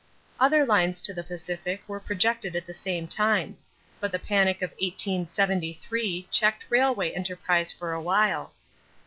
Other lines to the Pacific were projected at the same time; but the panic of 1873 checked railway enterprise for a while.